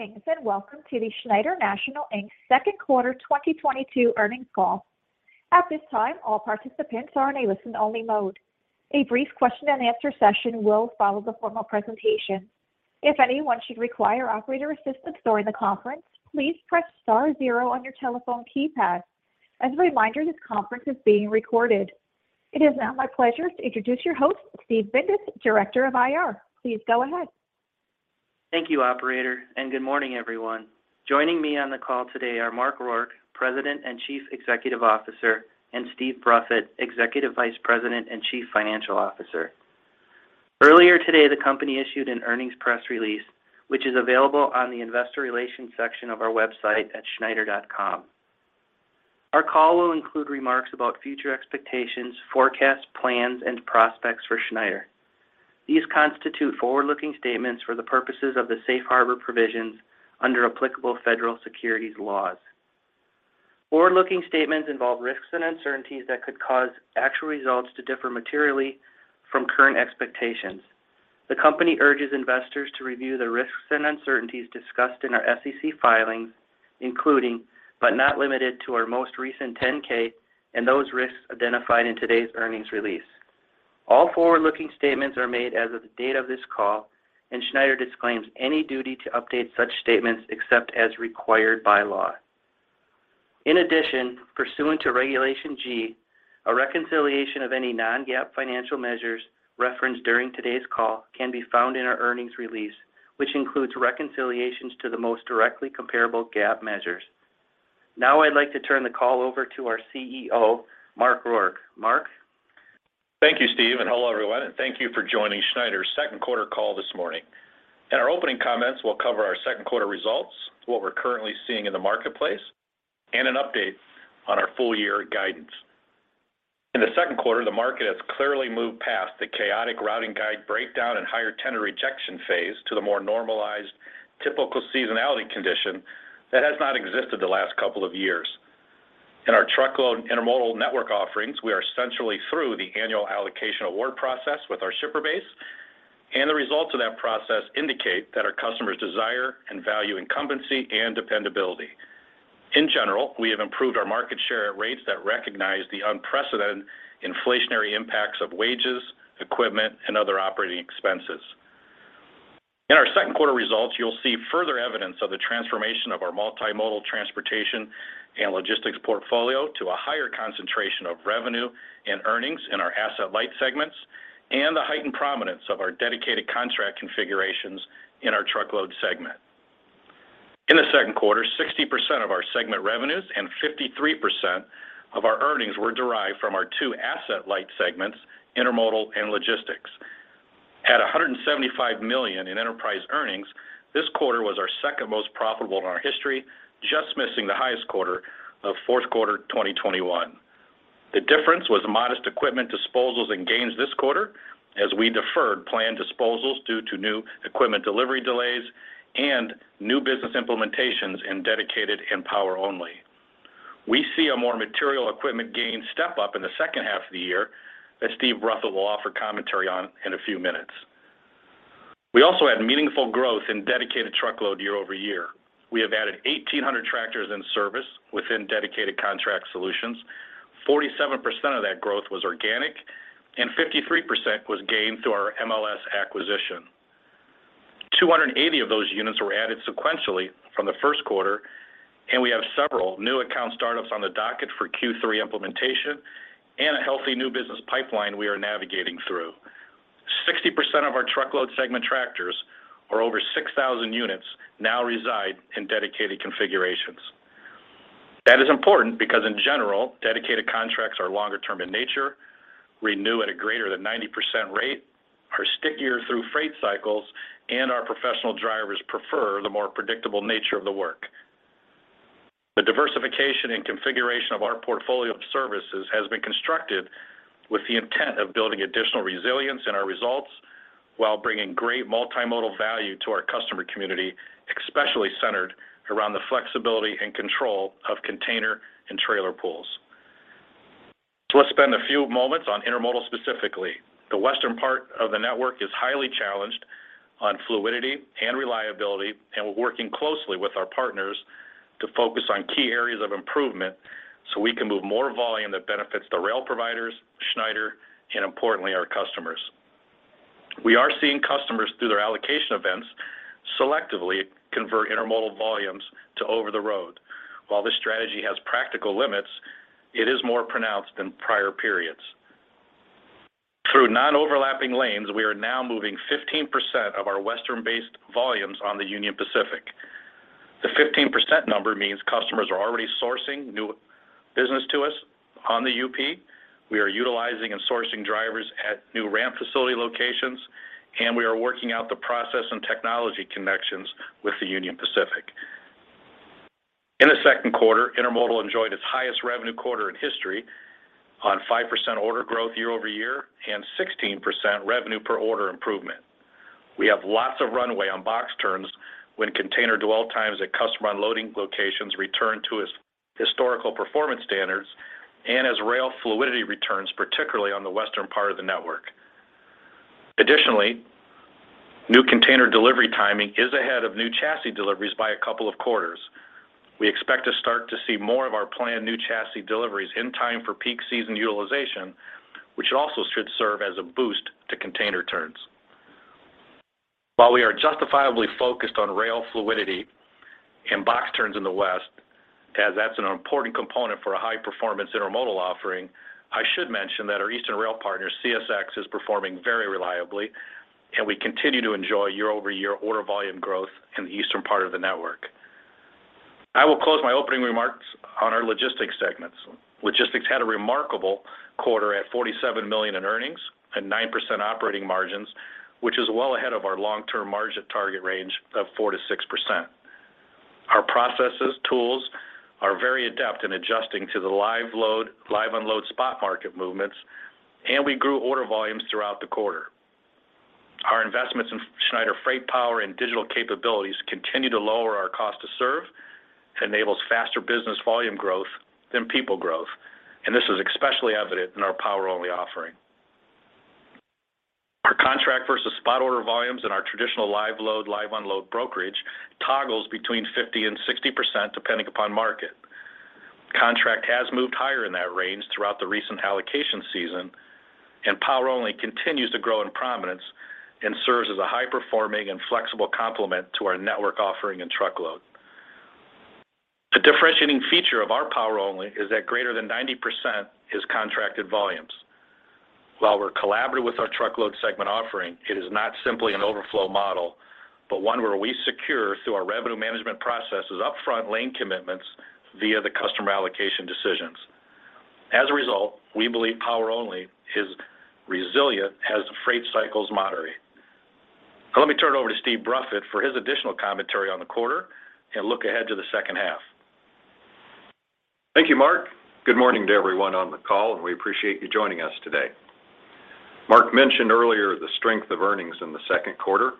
Greetings, and welcome to the Schneider National, Inc.'s second quarter 2022 earnings call. At this time, all participants are in a listen-only mode. A brief question and answer session will follow the formal presentation. If anyone should require operator assistance during the conference, please press star zero on your telephone keypad. As a reminder, this conference is being recorded. It is now my pleasure to introduce your host, Steve Bindas, Director of IR. Please go ahead. Thank you, operator, and good morning, everyone. Joining me on the call today are Mark Rourke, President and Chief Executive Officer, and Steve Bruffett, Executive Vice President and Chief Financial Officer. Earlier today, the company issued an earnings press release, which is available on the investor relations section of our website at schneider.com. Our call will include remarks about future expectations, forecasts, plans, and prospects for Schneider. These constitute forward-looking statements for the purposes of the safe harbor provisions under applicable federal securities laws. Forward-looking statements involve risks and uncertainties that could cause actual results to differ materially from current expectations. The company urges investors to review the risks and uncertainties discussed in our SEC filings, including, but not limited to, our most recent 10-K and those risks identified in today's earnings release. All forward-looking statements are made as of the date of this call, and Schneider disclaims any duty to update such statements except as required by law. In addition, pursuant to Regulation G, a reconciliation of any non-GAAP financial measures referenced during today's call can be found in our earnings release, which includes reconciliations to the most directly comparable GAAP measures. Now I'd like to turn the call over to our CEO, Mark Rourke. Mark? Thank you, Steve, and hello, everyone, and thank you for joining Schneider's second quarter call this morning. In our opening comments, we'll cover our second quarter results, what we're currently seeing in the marketplace, and an update on our full-year guidance. In the second quarter, the market has clearly moved past the chaotic routing guide breakdown and higher tender rejection phase to the more normalized typical seasonality condition that has not existed the last couple of years. In our truckload and intermodal network offerings, we are essentially through the annual allocation award process with our shipper base, and the results of that process indicate that our customers desire and value incumbency and dependability. In general, we have improved our market share at rates that recognize the unprecedented inflationary impacts of wages, equipment, and other operating expenses. In our second quarter results, you'll see further evidence of the transformation of our multimodal transportation and logistics portfolio to a higher concentration of revenue and earnings in our asset-light segments and the heightened prominence of our dedicated contract configurations in our truckload segment. In the second quarter, 60% of our segment revenues and 53% of our earnings were derived from our two asset-light segments, intermodal and logistics. At $175 million in enterprise earnings, this quarter was our second most profitable in our history, just missing the highest quarter of fourth quarter 2021. The difference was modest equipment disposals and gains this quarter as we deferred planned disposals due to new equipment delivery delays and new business implementations in dedicated and power only. We see a more material equipment gain step up in the second half of the year that Stephen Bruffett will offer commentary on in a few minutes. We also had meaningful growth in dedicated truckload year-over-year. We have added 1,800 tractors in service within Dedicated Contract Solutions. 47% of that growth was organic and 53% was gained through our MLS acquisition. 280 of those units were added sequentially from the first quarter, and we have several new account startups on the docket for Q3 implementation and a healthy new business pipeline we are navigating through. 60% of our truckload segment tractors are over 6,000 units now reside in dedicated configurations. That is important because, in general, dedicated contracts are longer term in nature, renew at a greater than 90% rate, are stickier through freight cycles, and our professional drivers prefer the more predictable nature of the work. The diversification and configuration of our portfolio of services has been constructed with the intent of building additional resilience in our results while bringing great multimodal value to our customer community, especially centered around the flexibility and control of container and trailer pools. Let's spend a few moments on intermodal specifically. The western part of the network is highly challenged on fluidity and reliability, and we're working closely with our partners to focus on key areas of improvement so we can move more volume that benefits the rail providers, Schneider, and importantly, our customers. We are seeing customers through their allocation events selectively convert intermodal volumes to over the road. While this strategy has practical limits, it is more pronounced than prior periods. Through non-overlapping lanes, we are now moving 15% of our Western-based volumes on the Union Pacific. The 15% number means customers are already sourcing new business to us on the UP. We are utilizing and sourcing drivers at new ramp facility locations, and we are working out the process and technology connections with the Union Pacific. In the second quarter, intermodal enjoyed its highest revenue quarter in history on 5% order growth year-over-year and 16% revenue per order improvement. We have lots of runway on box turns when container dwell times at customer unloading locations return to its historical performance standards and as rail fluidity returns, particularly on the western part of the network. Additionally, new container delivery timing is ahead of new chassis deliveries by a couple of quarters. We expect to start to see more of our planned new chassis deliveries in time for peak season utilization, which also should serve as a boost to container turns. While we are justifiably focused on rail fluidity and box turns in the West, as that's an important component for a high-performance intermodal offering, I should mention that our eastern rail partner, CSX, is performing very reliably, and we continue to enjoy year-over-year order volume growth in the eastern part of the network. I will close my opening remarks on our Logistics segments. Logistics had a remarkable quarter at $47 million in earnings and 9% operating margins, which is well ahead of our long-term margin target range of 4%-6%. Our process tools are very adept in adjusting to the live load, live unload spot market movements, and we grew order volumes throughout the quarter. Our investments in Schneider FreightPower and digital capabilities continue to lower our cost to serve, enables faster business volume growth than people growth, and this is especially evident in our Power Only offering. Our contract versus spot order volumes in our traditional live load, live unload brokerage toggles between 50% and 60%, depending upon market. Contract has moved higher in that range throughout the recent allocation season, and Power Only continues to grow in prominence and serves as a high-performing and flexible complement to our network offering and truckload. The differentiating feature of our Power Only is that greater than 90% is contracted volumes. While we're collaborative with our truckload segment offering, it is not simply an overflow model, but one where we secure through our revenue management processes, upfront lane commitments via the customer allocation decisions. As a result, we believe Power Only is resilient as the freight cycle is moderate. Let me turn it over to Stephen Bruffett for his additional commentary on the quarter and look ahead to the second half. Thank you, Mark. Good morning to everyone on the call, and we appreciate you joining us today. Mark mentioned earlier the strength of earnings in the second quarter,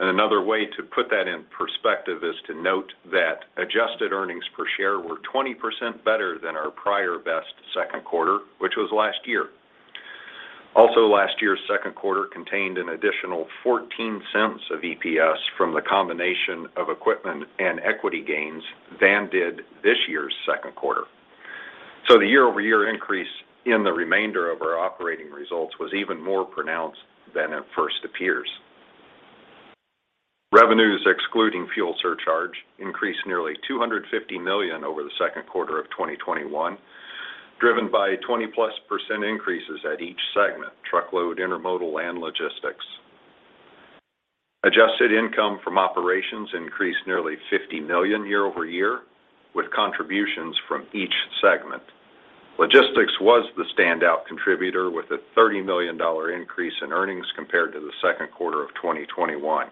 and another way to put that in perspective is to note that adjusted earnings per share were 20% better than our prior best second quarter, which was last year. Also last year's second quarter contained an additional 14 cents of EPS from the combination of equipment and equity gains than did this year's second quarter. The year-over-year increase in the remainder of our operating results was even more pronounced than it first appears. Revenues excluding fuel surcharge increased nearly $250 million over the second quarter of 2021, driven by 20%+ increases at each segment, truckload, intermodal and logistics. Adjusted income from operations increased nearly $50 million year-over-year, with contributions from each segment. Logistics was the standout contributor with a $30 million increase in earnings compared to the second quarter of 2021.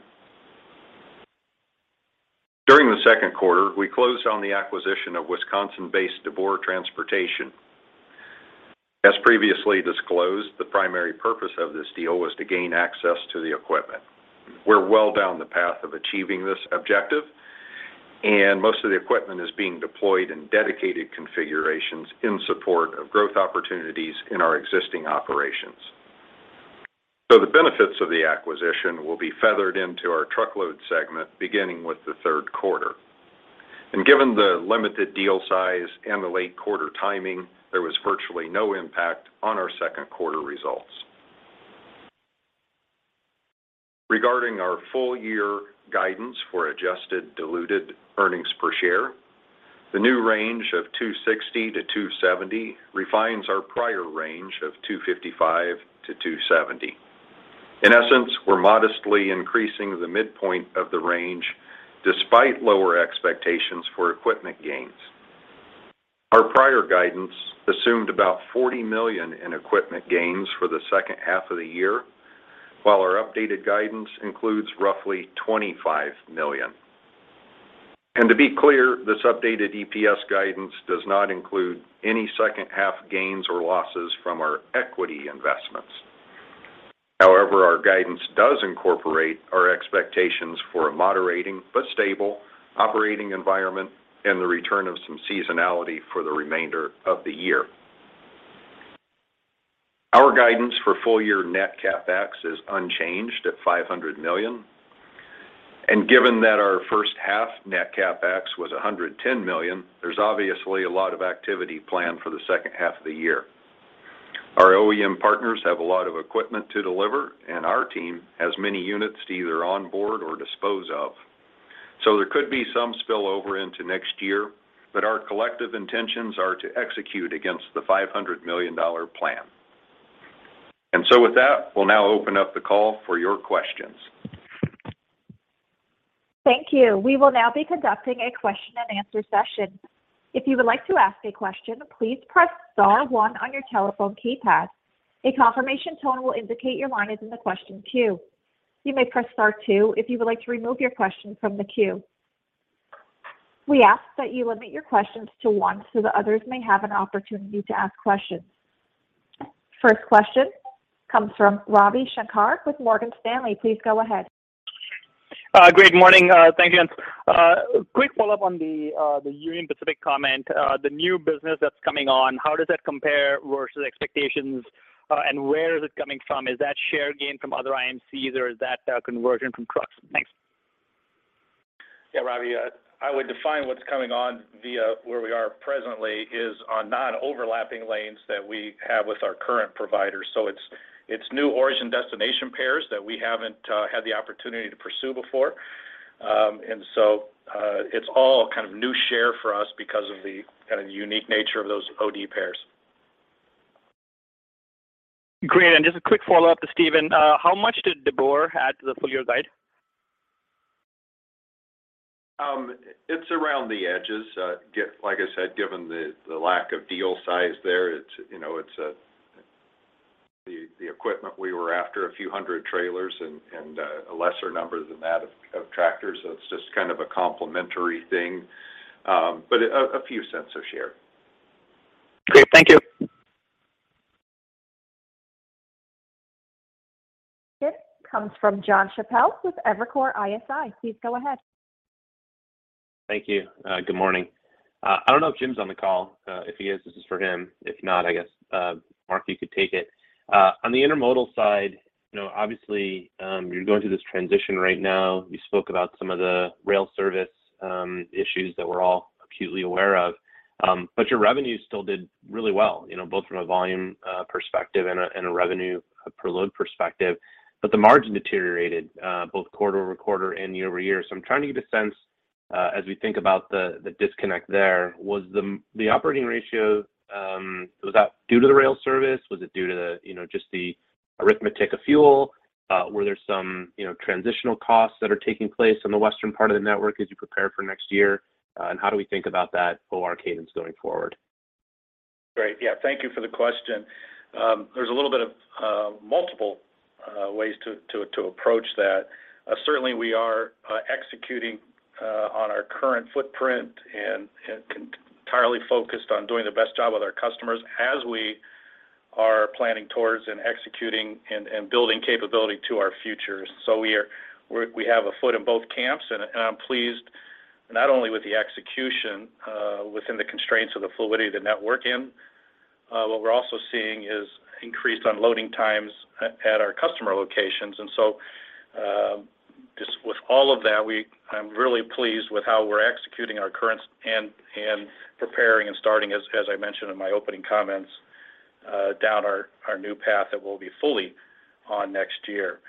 During the second quarter, we closed on the acquisition of Wisconsin-based deBoer Transportation. As previously disclosed, the primary purpose of this deal was to gain access to the equipment. We're well down the path of achieving this objective, and most of the equipment is being deployed in dedicated configurations in support of growth opportunities in our existing operations. The benefits of the acquisition will be phased into our truckload segment beginning with the third quarter. Given the limited deal size and the late quarter timing, there was virtually no impact on our second-quarter results. Regarding our full-year guidance for adjusted diluted earnings per share, the new range of $2.60-$2.70 refines our prior range of $2.55-$2.70. In essence, we're modestly increasing the midpoint of the range despite lower expectations for equipment gains. Our prior guidance assumed about $40 million in equipment gains for the second half of the year, while our updated guidance includes roughly $25 million. To be clear, this updated EPS guidance does not include any second-half gains or losses from our equity investments. However, our guidance does incorporate our expectations for a moderating but stable operating environment and the return of some seasonality for the remainder of the year. Our guidance for full-year net CapEx is unchanged at $500 million. Given that our first-half net CapEx was $110 million, there's obviously a lot of activity planned for the second half of the year. Our OEM partners have a lot of equipment to deliver, and our team has many units to either onboard or dispose of. There could be some spillover into next year, but our collective intentions are to execute against the $500 million plan. With that, we'll now open up the call for your questions. Thank you. We will now be conducting a question-and-answer session. If you would like to ask a question, please press *1 on your telephone keypad. A confirmation tone will indicate your line is in the question queue. You may press *2 if you would like to remove your question from the queue. We ask that you limit your questions to one so that others may have an opportunity to ask questions. First question comes from Ravi Shanker with Morgan Stanley. Please go ahead. Great morning. Thank you. Quick follow-up on the Union Pacific comment. The new business that's coming on, how does that compare versus expectations, and where is it coming from? Is that share gain from other IMC, or is that a conversion from trucks? Thanks. Ravi, I would define what's coming on via where we are presently is on non-overlapping lanes that we have with our current providers. It's new origin destination pairs that we haven't had the opportunity to pursue before. It's all kind of new share for us because of the kind of unique nature of those OD pairs. Great. Just a quick follow-up to Steven. How much did deBoer add to the full year guide? It's around the edges. Like I said, given the lack of deal size there, it's, you know, the equipment we were after a few hundred trailers and a lesser number than that of tractors. It's just kind of a complementary thing, but a few cents a share. Great. Thank you. It comes from Jonathan Chappell with Evercore ISI. Please go ahead. Thank you. Good morning. I don't know if Jim's on the call, if he is, this is for him. If not, I guess, Mark, you could take it. On the intermodal side, you know, obviously, you're going through this transition right now. You spoke about some of the rail service issues that we're all acutely aware of. Your revenue still did really well, you know, both from a volume perspective and a revenue per load perspective. The margin deteriorated, both quarter-over-quarter and year-over-year. I'm trying to get a sense, as we think about the disconnect there, was the operating ratio due to the rail service? Was it due to the, you know, just the arithmetic of fuel? Were there some, you know, transitional costs that are taking place in the western part of the network as you prepare for next year? How do we think about that full OR cadence going forward? Great, thank you for the question. There's a little bit of multiple ways to approach that. Certainly we are executing on our current footprint and entirely focused on doing the best job with our customers as we are planning towards and executing and building capability to our futures. We have a foot in both camps, and I'm pleased not only with the execution within the constraints of the fluidity of the network in what we're also seeing is increased unloading times at our customer locations. Just with all of that, I'm really pleased with how we're executing our current and preparing and starting, as I mentioned in my opening comments, down our new path that we'll be fully on next year.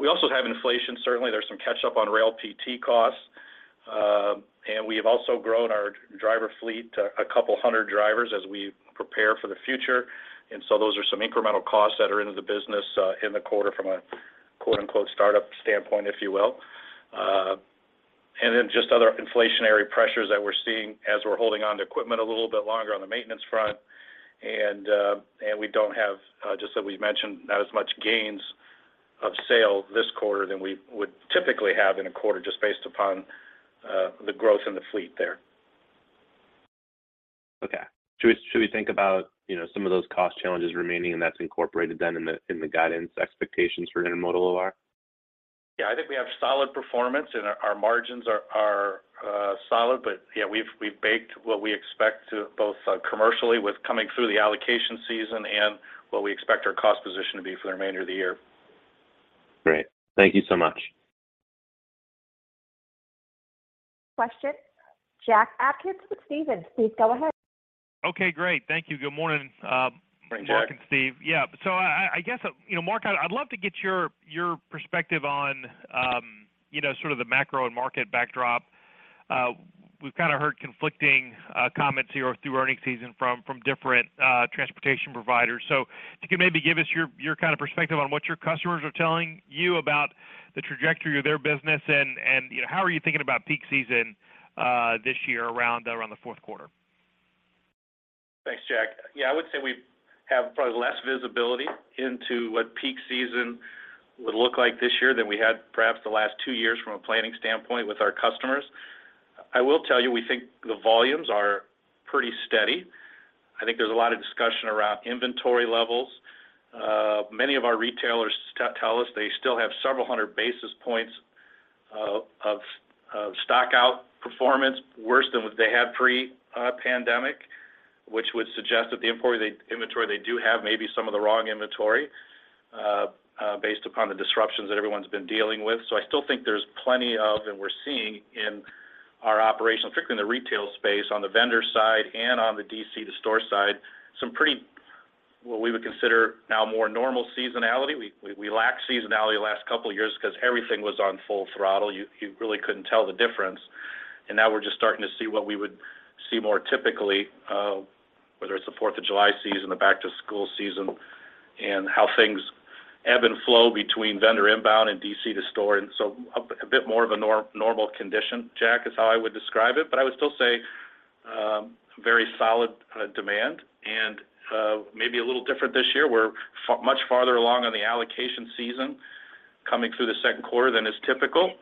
We also have inflation. Certainly, there's some catch up on rail PT costs, and we have also grown our driver fleet to 200 drivers as we prepare for the future. Those are some incremental costs that are into the business in the quarter from a quote-unquote startup standpoint, if you will. Just other inflationary pressures that we're seeing as we're holding onto equipment a little bit longer on the maintenance front. We don't have, just as we've mentioned, not as much gains on sale this quarter than we would typically have in a quarter just based upon the growth in the fleet there. Okay. Should we think about, you know, some of those cost challenges remaining, and that's incorporated then in the guidance expectations for intermodal OR? I think we have solid performance, and our margins are solid., we've baked what we expect to both commercially with coming through the allocation season and what we expect our cost position to be for the remainder of the year. Great. Thank you so much. Question, Jack Atkins with Stephens. Steve, go ahead. Okay, great. Thank you. Good morning. Morning, Jack. Mark and Steve.. I guess, you know, Mark, I'd love to get your perspective on, you know, sort of the macro and market backdrop. We've kinda heard conflicting comments here through earnings season from different transportation providers. If you could maybe give us your kind of perspective on what your customers are telling you about the trajectory of their business, and you know, how are you thinking about peak season this year around the fourth quarter? Thanks, Jack. I would say we have probably less visibility into what peak season would look like this year than we had perhaps the last two years from a planning standpoint with our customers. I will tell you, we think the volumes are pretty steady. I think there's a lot of discussion around inventory levels. Many of our retailers tell us they still have several hundred basis points of stock out performance worse than what they had pre-pandemic, which would suggest that the inventory they do have may be some of the wrong inventory based upon the disruptions that everyone's been dealing with. I still think there's plenty of, and we're seeing in our operations, particularly in the retail space on the vendor side and on the DC to store side, some pretty, what we would consider now more normal seasonality. We lacked seasonality the last couple of years because everything was on full throttle. You really couldn't tell the difference. Now we're just starting to see what we would see more typically, whether it's the Fourth of July season, the back to school season, and how things ebb and flow between vendor inbound and DC to store. A bit more of a normal condition, Jack, is how I would describe it. But I would still say very solid demand and maybe a little different this year. We're much farther along in the allocation season coming through the second quarter than is typical.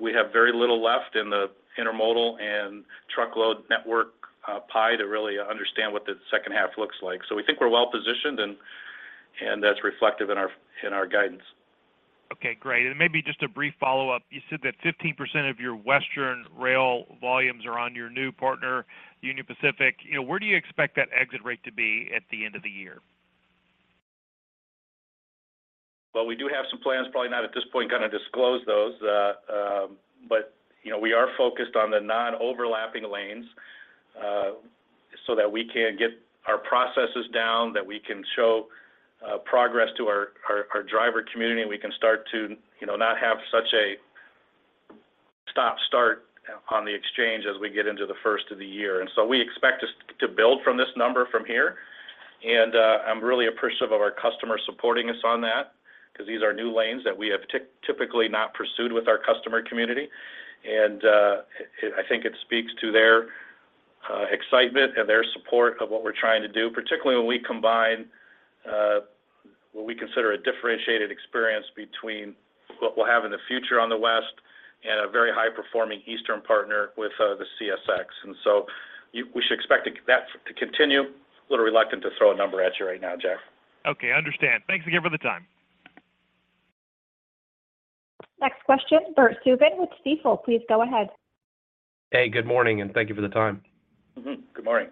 We have very little left in the intermodal and truckload network pie to really understand what the second half looks like. We think we're well-positioned, and that's reflective in our guidance. Okay, great. Maybe just a brief follow-up. You said that 15% of your Western rail volumes are on your new partner, Union Pacific. You know, where do you expect that exit rate to be at the end of the year? Well, we do have some plans, probably not at this point, gonna disclose those. You know, we are focused on the non-overlapping lanes, so that we can get our processes down, that we can show progress to our driver community. We can start to, you know, not have such a stop-start on the exchange as we get into the first of the year. We expect us to build from this number from here. I'm really appreciative of our customers supporting us on that because these are new lanes that we have typically not pursued with our customer community. I think it speaks to their excitement and their support of what we're trying to do, particularly when we combine what we consider a differentiated experience between what we'll have in the future on the West and a very high-performing Eastern partner with the CSX. We should expect that to continue. I'm a little reluctant to throw a number at you right now, Jack. Okay, understand. Thanks again for the time. Next question, Bert Subin with Stifel. Please go ahead., good morning, and thank you for the time. Good morning.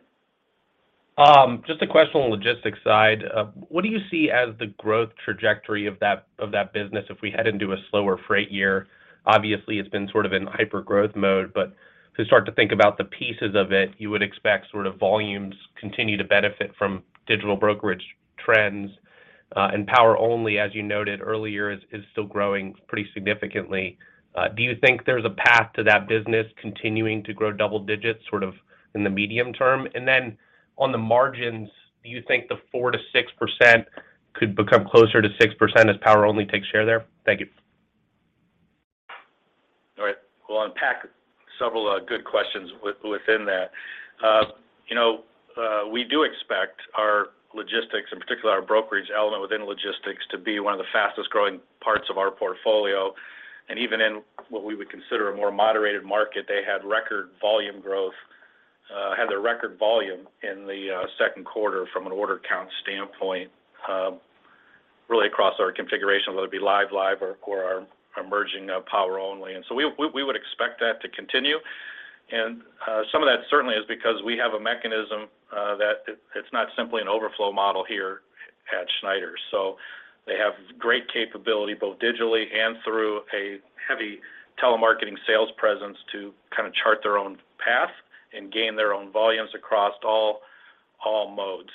Just a question on the logistics side. What do you see as the growth trajectory of that business if we head into a slower freight year? Obviously, it's been sort of in hyper-growth mode, but to start to think about the pieces of it, you would expect sort of volumes continue to benefit from digital brokerage trends, and Power Only, as you noted earlier, is still growing pretty significantly. Do you think there's a path to that business continuing to grow double digits sort of in the medium term? On the margins, do you think the 4%-6% could become closer to 6% as Power Only takes share there? Thank you. All right. We'll unpack several good questions within that. You know, we do expect our logistics, in particular our brokerage element within logistics, to be one of the fastest-growing parts of our portfolio. Even in what we would consider a more moderated market, they had record volume growth, had their record volume in the second quarter from an order count standpoint, really across our configuration, whether it be live or our emerging Power Only. We would expect that to continue. Some of that certainly is because we have a mechanism that it's not simply an overflow model here at Schneider. They have great capability, both digitally and through a heavy telemarketing sales presence to kind of chart their own path and gain their own volumes across all modes.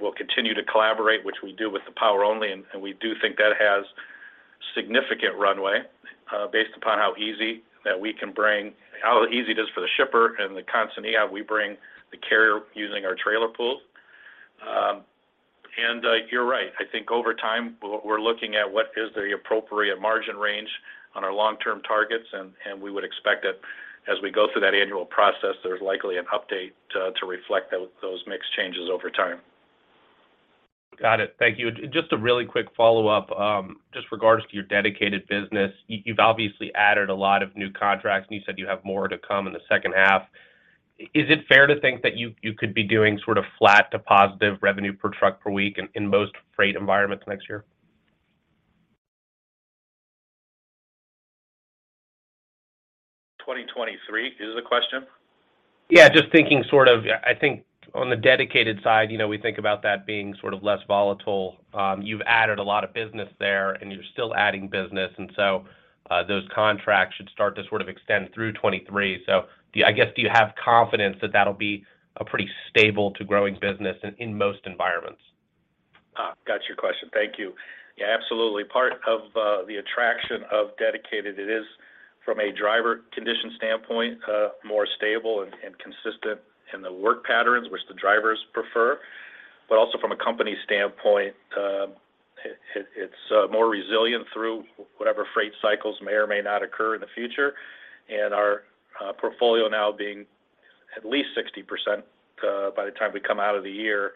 We'll continue to collaborate, which we do with the Power Only, and we do think that has significant runway, based upon how easy it is for the shipper and the consignee we bring the carrier using our trailer pools. You're right. I think over time, we're looking at what is the appropriate margin range on our long-term targets, and we would expect that as we go through that annual process, there's likely an update to reflect those mix changes over time. Got it. Thank you. Just a really quick follow-up, just regardless to your dedicated business. You've obviously added a lot of new contracts, and you said you have more to come in the second half. Is it fair to think that you could be doing sort of flat to positive revenue per truck per week in most freight environments next year? 2023 is the question? Just thinking sort of I think on the dedicated side, you know, we think about that being sort of less volatile. You've added a lot of business there, and you're still adding business, and so those contracts should start to sort of extend through 2023. Do you have confidence that that'll be a pretty stable to growing business in most environments? Got your question. Thank you., absolutely. Part of the attraction of dedicated, it is from a driver condition standpoint, more stable and consistent in the work patterns which the drivers prefer. But also from a company standpoint, it's more resilient through whatever freight cycles may or may not occur in the future. Our portfolio now being at least 60%, by the time we come out of the year,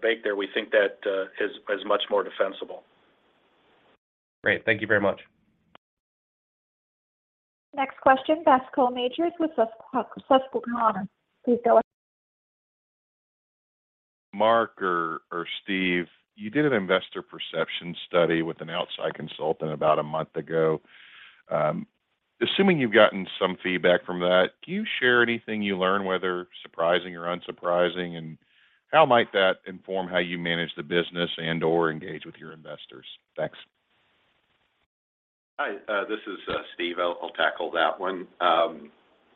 baked there, we think that is much more defensible. Great. Thank you very much. Next question, Bascome Majors with Susquehanna. Please go ahead. Mark or Steve, you did an investor perception study with an outside consultant about a month ago. Assuming you've gotten some feedback from that, can you share anything you learned, whether surprising or unsurprising, and how might that inform how you manage the business and/or engage with your investors? Thanks. Hi, this is Steve. I'll tackle that one.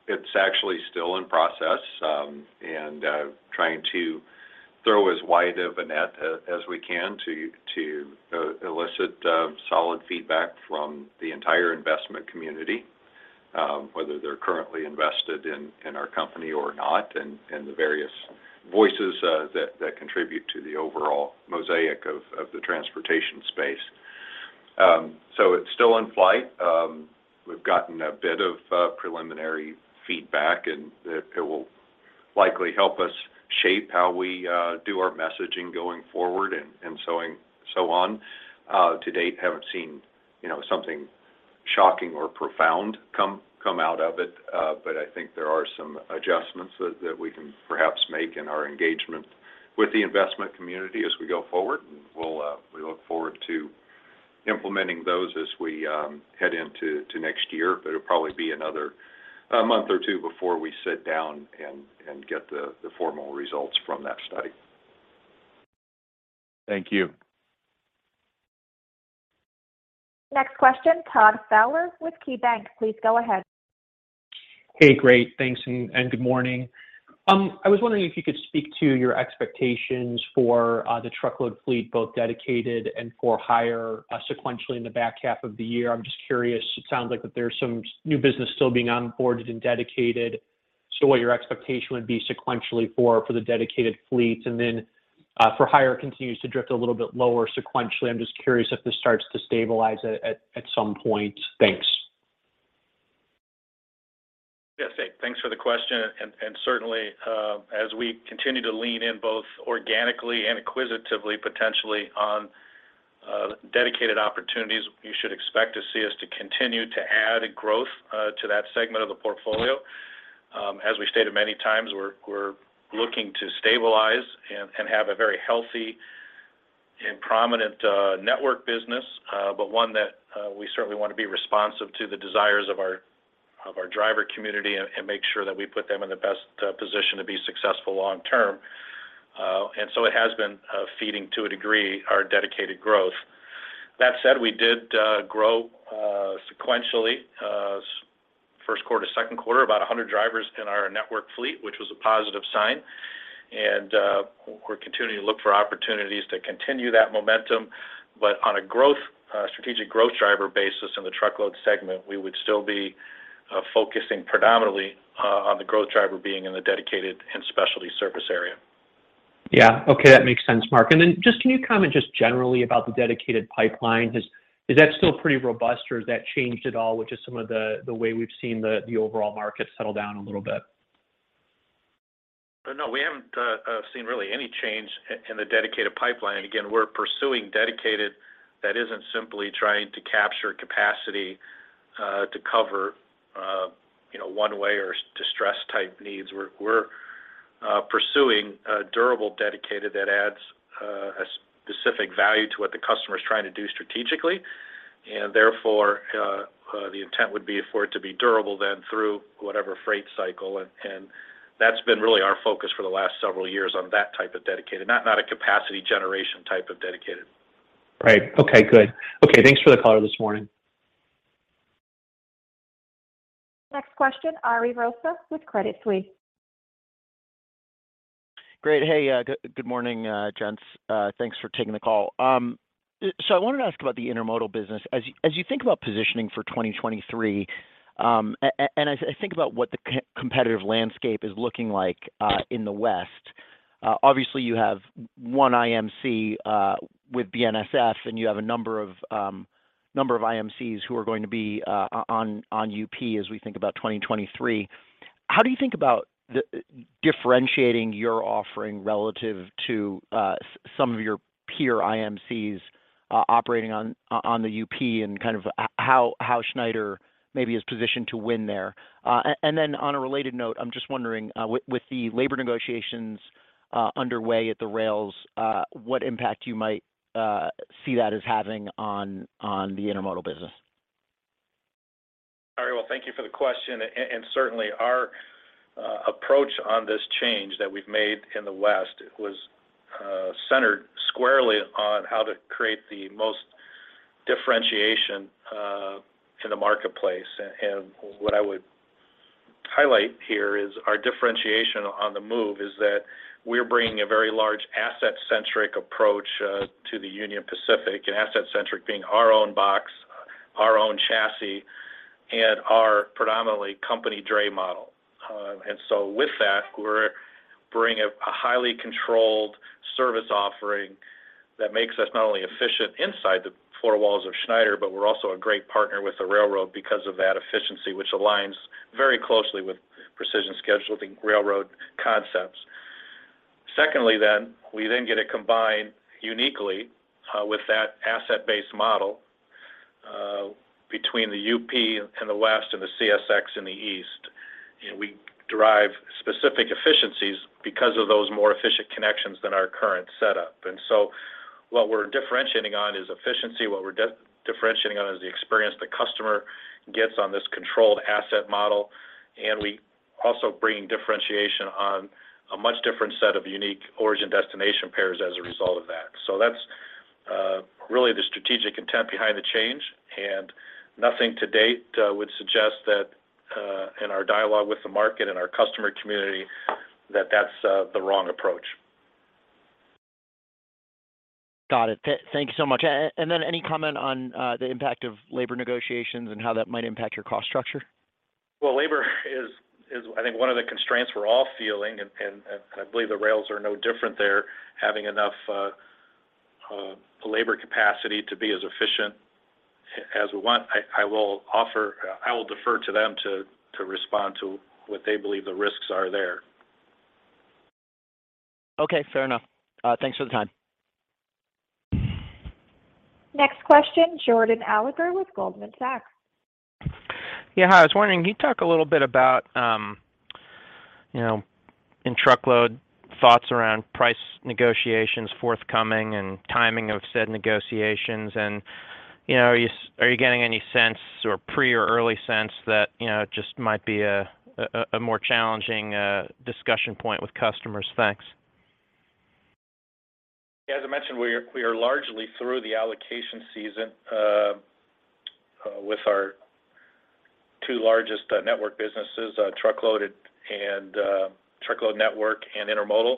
It's actually still in process, and trying to throw as wide of a net as we can to elicit solid feedback from the entire investment community, whether they're currently invested in our company or not, and the various voices that contribute to the overall mosaic of the transportation space. So it's still in flight. We've gotten a bit of preliminary feedback, and it will likely help us shape how we do our messaging going forward and so on. To date, haven't seen, you know, something shocking or profound come out of it. I think there are some adjustments that we can perhaps make in our engagement with the investment community as we go forward, and we look forward to implementing those as we head into next year. It will probably be another month or two before we sit down and get the formal results from that study. Thank you. Next question, Todd Fowler with KeyBanc Capital Markets. Please go ahead. Great. Thanks and good morning. I was wondering if you could speak to your expectations for the truckload fleet, both dedicated and for hire, sequentially in the back half of the year. I'm just curious. It sounds like there's some new business still being onboarded in dedicated. What your expectation would be sequentially for the dedicated fleet. For hire continues to drift a little bit lower sequentially. I'm just curious if this starts to stabilize at some point. Thanks. Yes, thanks for the question. Certainly, as we continue to lean in both organically and acquisitively potentially on dedicated opportunities, you should expect to see us to continue to add growth to that segment of the portfolio. As we stated many times, we're looking to stabilize and have a very healthy and prominent network business, but one that we certainly want to be responsive to the desires of our driver community and make sure that we put them in the best position to be successful long term. It has been feeding to a degree our dedicated growth. That said, we did grow sequentially first quarter, second quarter, about 100 drivers in our network fleet, which was a positive sign. We're continuing to look for opportunities to continue that momentum. On a growth, strategic growth driver basis in the truckload segment, we would still be focusing predominantly on the growth driver being in the dedicated and specialty service area. Okay. That makes sense, Mark. Then just can you comment just generally about the dedicated pipeline? Is that still pretty robust, or has that changed at all, which is some of the way we've seen the overall market settle down a little bit? No, we haven't seen really any change in the dedicated pipeline. Again, we're pursuing dedicated that isn't simply trying to capture capacity to cover you know one way or distress type needs. We're pursuing a durable dedicated that adds a specific value to what the customer is trying to do strategically. Therefore, the intent would be for it to be durable then through whatever freight cycle. That's been really our focus for the last several years on that type of dedicated, not a capacity generation type of dedicated. Right. Okay, good. Okay, thanks for the color this morning. Next question, Ariel Rosa with Credit Suisse. Great, good morning, gents. Thanks for taking the call. I wanted to ask about the intermodal business. As you think about positioning for 2023, and as I think about what the competitive landscape is looking like in the West, obviously, you have one IMC with BNSF, and you have a number of IMCs who are going to be on UP as we think about 2023. How do you think about differentiating your offering relative to some of your peer IMCs operating on the UP and kind of how Schneider maybe is positioned to win there? On a related note, I'm just wondering, with the labor negotiations underway at the rails, what impact you might see that as having on the intermodal business? All right. Well, thank you for the question. Certainly our approach on this change that we've made in the West was centered squarely on how to create the most differentiation in the marketplace. What I would highlight here is our differentiation on the move is that we're bringing a very large asset-centric approach to the Union Pacific, asset-centric being our own box, our own chassis, and our predominantly company dray model. With that, we're bringing a highly controlled service offering that makes us not only efficient inside the four walls of Schneider, but we're also a great partner with the railroad because of that efficiency, which aligns very closely with precision scheduled railroading concepts. Secondly, we get to combine uniquely with that asset-based model between the UP in the West and the CSX in the East. We derive specific efficiencies because of those more efficient connections than our current setup. What we're differentiating on is efficiency. What we're de-differentiating on is the experience the customer gets on this controlled asset model. We also bring differentiation on a much different set of unique origin destination pairs as a result of that. That's really the strategic intent behind the change, and nothing to date would suggest that in our dialogue with the market and our customer community, that's the wrong approach. Got it. Thanks so much. Any comment on the impact of labor negotiations and how that might impact your cost structure? Well, labor is I think one of the constraints we're all feeling, and I believe the rails are no different. They're having enough labor capacity to be as efficient as we want. I will defer to them to respond to what they believe the risks are there. Okay, fair enough. Thanks for the time. Next question, Jordan Alliger with Goldman Sachs. I was wondering, can you talk a little bit about, you know, in truckload thoughts around price negotiations forthcoming and timing of said negotiations and, you know, are you getting any sense or prior or early sense that, you know, it just might be a more challenging discussion point with customers? Thanks. As I mentioned, we are largely through the allocation season with our two largest network businesses, truckload network and intermodal.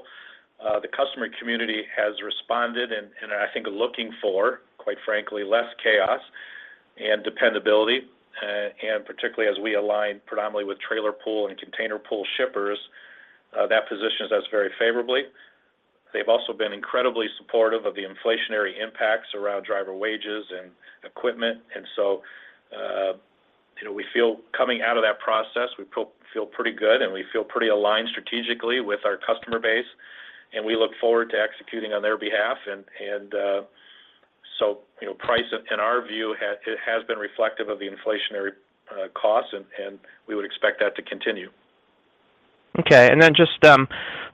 The customer community has responded and I think are looking for, quite frankly, less chaos and dependability. Particularly as we align predominantly with trailer pool and container pool shippers, that positions us very favorably. They've also been incredibly supportive of the inflationary impacts around driver wages and equipment. You know, we feel coming out of that process, we feel pretty good, and we feel pretty aligned strategically with our customer base, and we look forward to executing on their behalf. You know, pricing in our view has been reflective of the inflationary costs, and we would expect that to continue. Okay. Just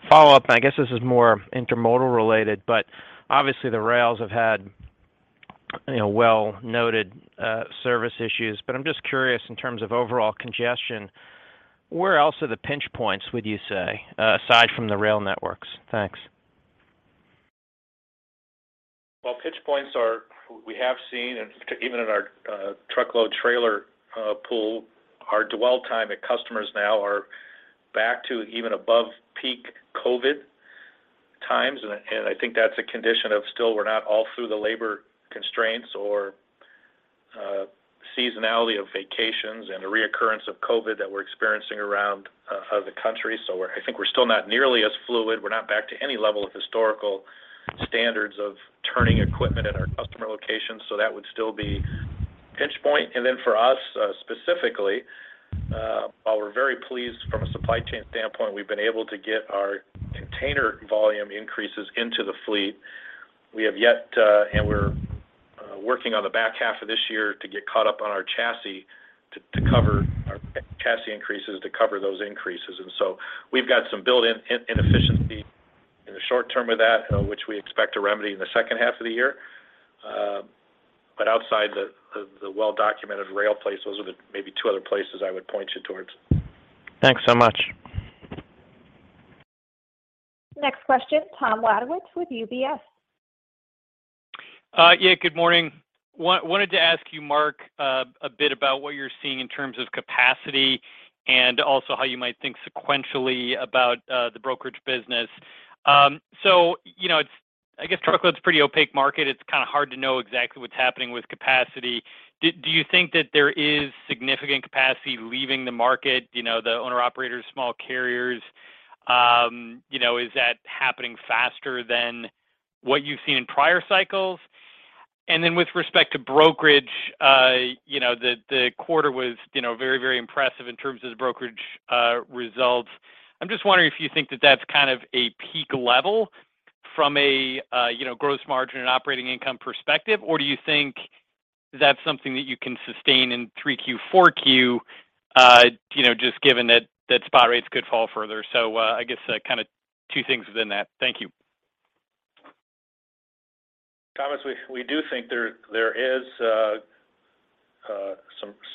follow up, and I guess this is more intermodal related, but obviously the rails have had, you know, well-noted service issues. I'm just curious in terms of overall congestion, where else are the pinch points, would you say, aside from the rail networks? Thanks. Well, pinch points are we have seen, and even in our truckload trailer pool, our dwell time at customers now are back to even above peak COVID times. I think that's a condition of still we're not all through the labor constraints or seasonality of vacations and a reoccurrence of COVID that we're experiencing around the country. I think we're still not nearly as fluid. We're not back to any level of historical standards of turning equipment at our customer locations. That would still be pinch point. For us specifically, while we're very pleased from a supply chain standpoint, we've been able to get our container volume increases into the fleet. We have yet to and we're working on the back half of this year to get caught up on our chassis to cover our chassis increases. We've got some built-in inefficiency in the short term of that, which we expect to remedy in the second half of the year. Outside the well-documented rail plays, those are the maybe two other places I would point you towards. Thanks so much. Next question, Tom Wadewitz with UBS. Good morning. Wanted to ask you, Mark, a bit about what you're seeing in terms of capacity and also how you might think sequentially about the brokerage business. So, you know, it's—I guess truckload's a pretty opaque market. It's kind of hard to know exactly what's happening with capacity. Do you think that there is significant capacity leaving the market, you know, the owner-operators, small carriers? You know, is that happening faster than what you've seen in prior cycles? Then with respect to brokerage, you know, the quarter was, you know, very, very impressive in terms of the brokerage results. I'm just wondering if you think that that's kind of a peak level from a, you know, gross margin and operating income perspective, or do you think that's something that you can sustain in 3Q, 4Q, you know, just given that spot rates could fall further? I guess, kind of two things within that. Thank you. Thomas, we do think there is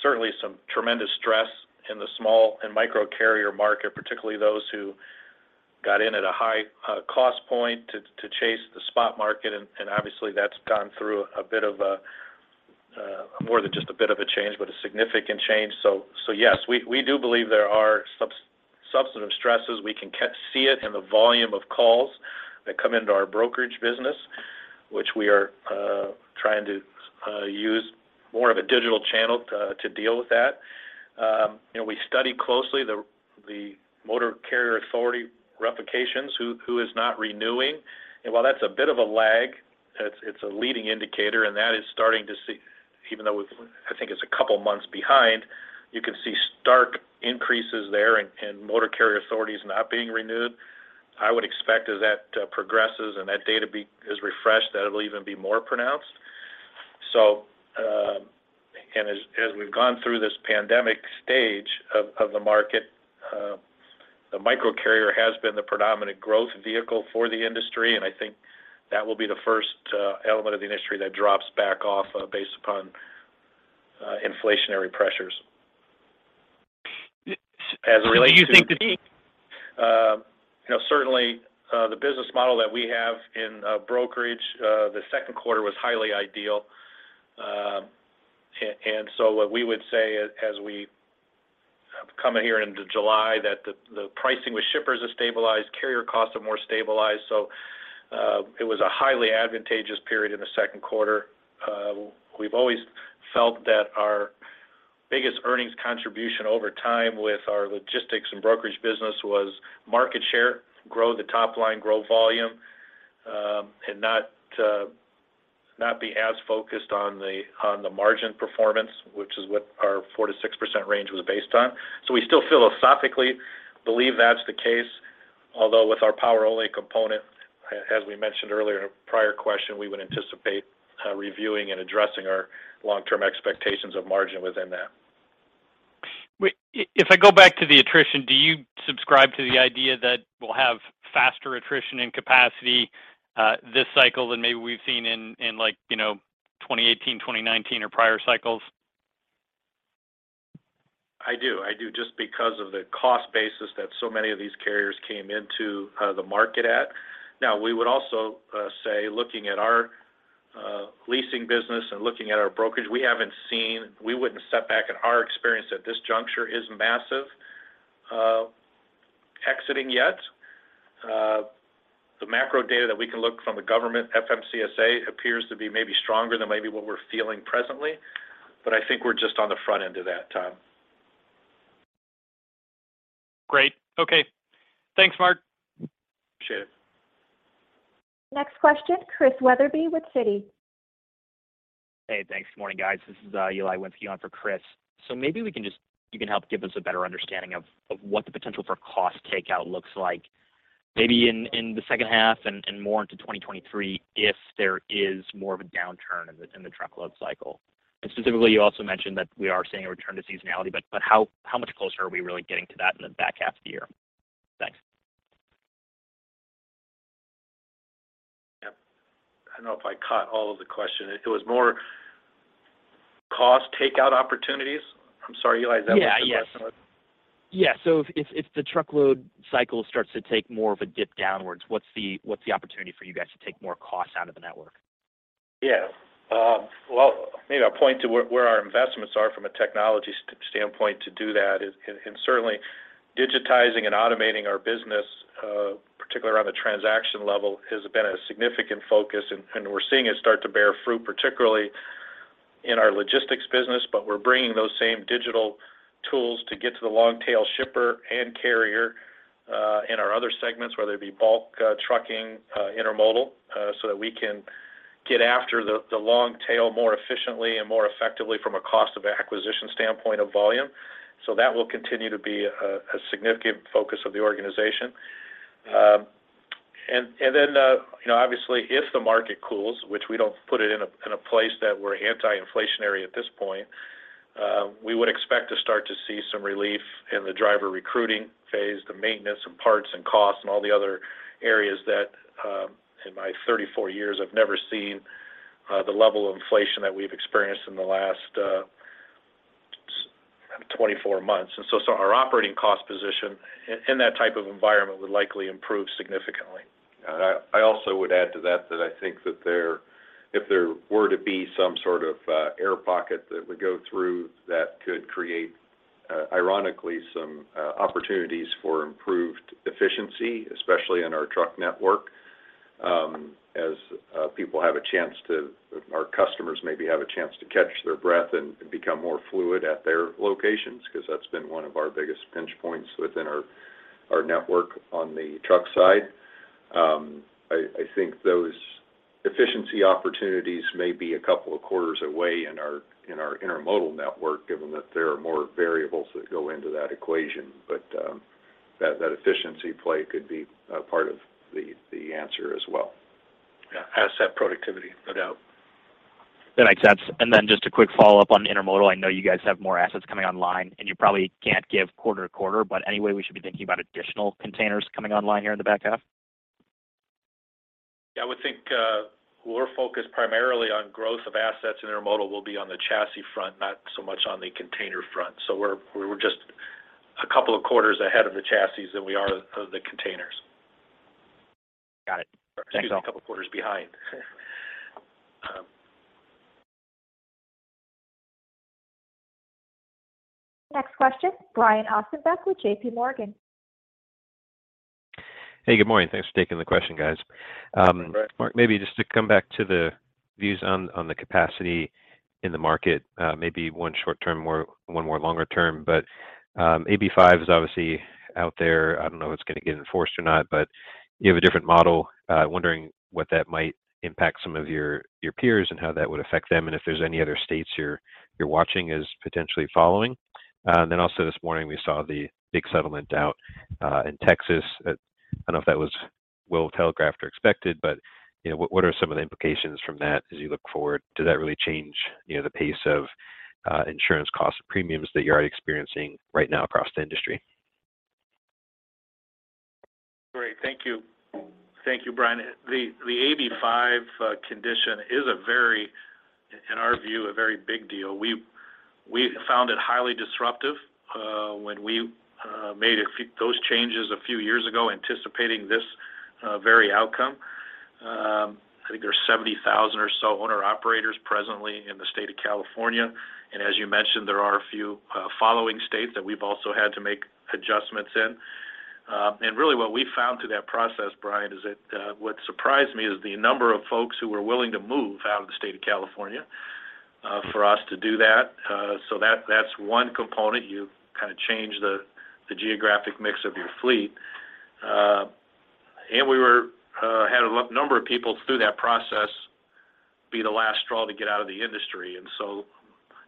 certainly some tremendous stress in the small and micro carrier market, particularly those who got in at a high cost point to chase the spot market, and obviously that's gone through more than just a bit of a change, but a significant change. Yes, we do believe there are substantive stresses. We can see it in the volume of calls that come into our brokerage business, which we are trying to use more of a digital channel to deal with that. You know, we study closely the motor carrier authority revocations, who is not renewing. While that's a bit of a lag, it's a leading indicator, and that is starting to see, even though I think it's a couple months behind, you can see stark increases there in motor carrier authorities not being renewed. I would expect as that progresses and that data is refreshed, that it'll even be more pronounced. As we've gone through this pandemic stage of the market, the micro carrier has been the predominant growth vehicle for the industry, and I think that will be the first element of the industry that drops back off, based upon inflationary pressures. As it relates to. You know, certainly, the business model that we have in brokerage, the second quarter was highly ideal. And so what we would say as we come in here into July, that the pricing with shippers is stabilized, carrier costs are more stabilized. It was a highly advantageous period in the second quarter. We've always felt that our biggest earnings contribution over time with our logistics and brokerage business was market share, grow the top line, grow volume. Not be as focused on the margin performance, which is what our 4%-6% range was based on. We still philosophically believe that's the case. Although with our Power Only component, as we mentioned earlier in a prior question, we would anticipate reviewing and addressing our long-term expectations of margin within that. If I go back to the attrition, do you subscribe to the idea that we'll have faster attrition and capacity this cycle than maybe we've seen in like you know 2018 2019 or prior cycles? I do, just because of the cost basis that so many of these carriers came into the market at. Now, we would also say, looking at our leasing business and looking at our brokerage, we haven't seen. We wouldn't say that our experience at this juncture is massive exiting yet. The macro data that we can look from the government, FMCSA, appears to be maybe stronger than maybe what we're feeling presently. I think we're just on the front end of that, Tom. Great. Okay. Thanks, Mark. Appreciate it. Next question, Christian Wetherbee with Citi. Thanks. Morning, guys. This is Eily Winski on for Chris. Maybe you can help give us a better understanding of what the potential for cost takeout looks like maybe in the second half and more into 2023 if there is more of a downturn in the truckload cycle. Specifically, you also mentioned that we are seeing a return to seasonality, but how much closer are we really getting to that in the back half of the year? Thanks. I don't know if I caught all of the question. It was more cost takeout opportunities? I'm sorry, Eli, is that what you said? If the truckload cycle starts to take more of a dip downwards, what's the opportunity for you guys to take more costs out of the network? Well, maybe I'll point to where our investments are from a technology standpoint to do that is, and certainly digitizing and automating our business, particularly around the transaction level has been a significant focus, and we're seeing it start to bear fruit, particularly in our logistics business, but we're bringing those same digital tools to get to the long tail shipper and carrier in our other segments, whether it be bulk, trucking, intermodal, so that we can get after the long tail more efficiently and more effectively from a cost of acquisition standpoint of volume. That will continue to be a significant focus of the organization. You know, obviously, if the market cools, which we don't put it in a place that we're anti-inflationary at this point, we would expect to start to see some relief in the driver recruiting phase, the maintenance and parts and costs and all the other areas that, in my 34 years, I've never seen the level of inflation that we've experienced in the last 24 months. So our operating cost position in that type of environment would likely improve significantly. I also would add to that I think that if there were to be some sort of air pocket that would go through that could create, ironically, some opportunities for improved efficiency, especially in our truck network, as our customers maybe have a chance to catch their breath and become more fluid at their locations, 'cause that's been one of our biggest pinch points within our network on the truck side. I think those efficiency opportunities may be a couple of quarters away in our intermodal network, given that there are more variables that go into that equation. That efficiency play could be part of the answer as well. Asset productivity, no doubt. That makes sense. Just a quick follow-up on intermodal. I know you guys have more assets coming online, and you probably can't give quarter to quarter, but anyway, we should be thinking about additional containers coming online here in the back half? I would think, we're focused primarily on growth of assets, and intermodal will be on the chassis front, not so much on the container front. We're just a couple of quarters ahead of the chassis than we are of the containers. Got it. Thanks, Mark. Excuse me, a couple quarters behind. Next question, Brian Ossenbeck with J.P. Morgan. Good morning. Thanks for taking the question, guys. Good morning, Brian. Mark, maybe just to come back to the views on the capacity in the market, maybe one short term, one more longer term. AB5 is obviously out there. I don't know if it's gonna get enforced or not, but you have a different model. Wondering what that might impact some of your peers and how that would affect them, and if there's any other states you're watching as potentially following. Then also this morning, we saw the big settlement out in Texas. I don't know if that was well telegraphed or expected, but, you know, what are some of the implications from that as you look forward? Does that really change, you know, the pace of insurance cost premiums that you are experiencing right now across the industry? Great. Thank you. Thank you, Brian. The AB5 condition is a very in our view a very big deal. We found it highly disruptive when we made those changes a few years ago, anticipating this very outcome. I think there's 70,000 or so owner-operators presently in the state of California. As you mentioned, there are a few following states that we've also had to make adjustments in. Really what we found through that process, Brian, is that what surprised me is the number of folks who were willing to move out of the state of California for us to do that. That's one component. You kind of change the geographic mix of your fleet. We had a number of people through that process be the last straw to get out of the industry.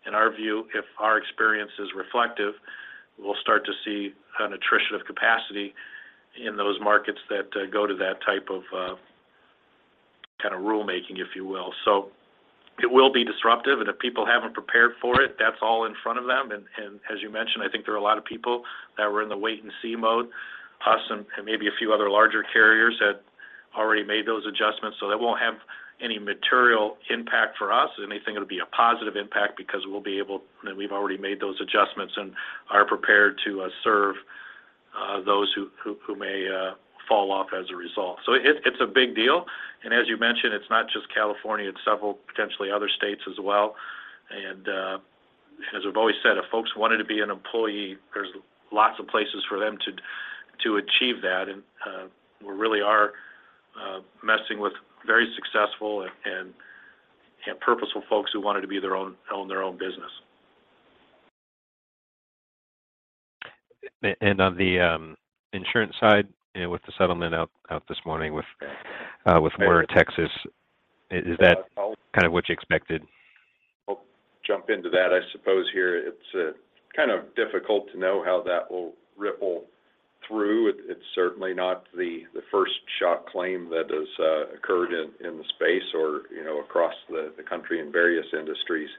In our view, if our experience is reflective, we'll start to see an attrition of capacity in those markets that go to that type of kind of rulemaking, if you will. It will be disruptive, and if people haven't prepared for it, that's all in front of them. As you mentioned, I think there are a lot of people that were in the wait and see mode. Us and maybe a few other larger carriers had already made those adjustments, so that won't have any material impact for us. If anything, it'll be a positive impact because we'll be able and we've already made those adjustments and are prepared to serve those who may fall off as a result. It's a big deal. As you mentioned, it's not just California, it's several potentially other states as well. As we've always said, if folks wanted to be an employee, there's lots of places for them to achieve that. We really are messing with very successful and purposeful folks who wanted to own their own business. On the insurance side, you know, with the settlement out this morning with Werner, Texas, is that kind of what you expected? I'll jump into that, I suppose here. It's kind of difficult to know how that will ripple through. It's certainly not the first shock claim that has occurred in the space or, you know, across the country in various industries.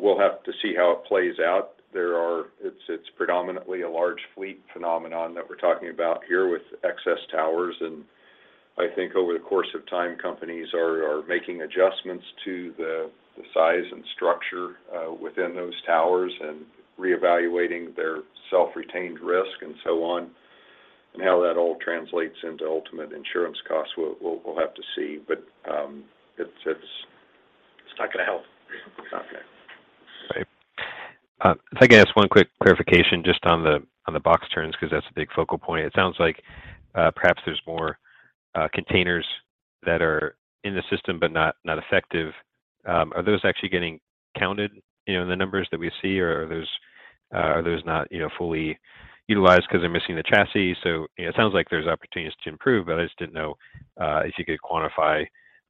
We'll have to see how it plays out. It's predominantly a large fleet phenomenon that we're talking about here with excess towers. I think over the course of time, companies are making adjustments to the size and structure within those towers and reevaluating their self-retained risk and so on, and how that all translates into ultimate insurance costs, we'll have to see. It's not gonna help. Okay. If I could ask one quick clarification just on the box turns because that's a big focal point. It sounds like perhaps there's more containers that are in the system but not effective. Are those actually getting counted, you know, in the numbers that we see, or are those not, you know, fully utilized because they're missing the chassis? You know, it sounds like there's opportunities to improve, but I just didn't know if you could quantify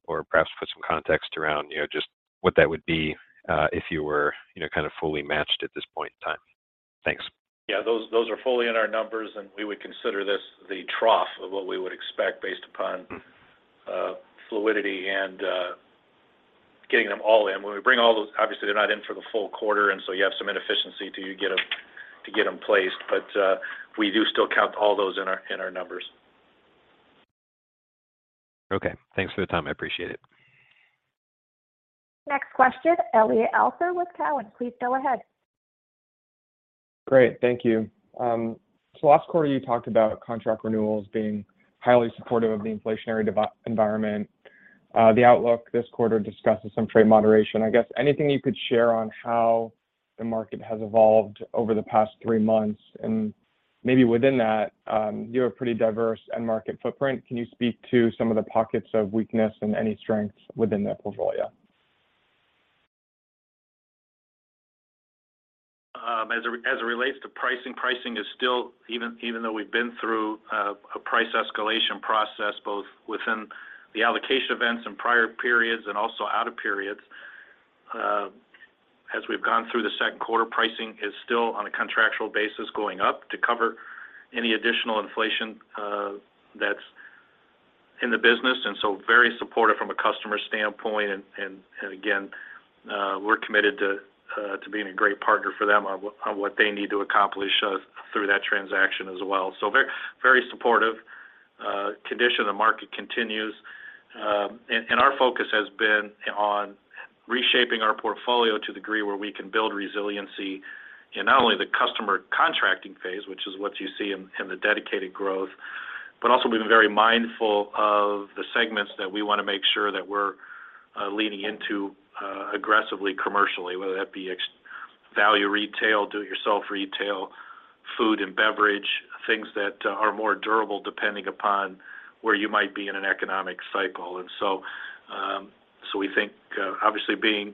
or perhaps put some context around, you know, just what that would be if you were, you know, kind of fully matched at this point in time. Thanks. Those are fully in our numbers, and we would consider this the trough of what we would expect based upon. fluidity and getting them all in. When we bring all those, obviously they're not in for the full quarter, and so you have some inefficiency till you get them placed. We do still count all those in our numbers. Okay. Thanks for the time. I appreciate it. Next question, Elliot Alper with Cowen. Please go ahead. Great. Thank you. So last quarter you talked about contract renewals being highly supportive of the inflationary environment. The outlook this quarter discusses some trade moderation. I guess anything you could share on how the market has evolved over the past three months? Maybe within that, you have a pretty diverse end market footprint. Can you speak to some of the pockets of weakness and any strengths within that portfolio? As it relates to pricing is still even though we've been through a price escalation process, both within the allocation events in prior periods and also out of periods, as we've gone through the second quarter, pricing is still on a contractual basis going up to cover any additional inflation that's in the business, and so very supportive from a customer standpoint. Again, we're committed to being a great partner for them on what they need to accomplish through that transaction as well. Very supportive, condition of the market continues. Our focus has been on reshaping our portfolio to a degree where we can build resiliency in not only the customer contracting phase, which is what you see in the dedicated growth, but also being very mindful of the segments that we want to make sure that we're leaning into aggressively commercially, whether that be value retail, do it yourself retail, food and beverage, things that are more durable depending upon where you might be in an economic cycle. We think obviously being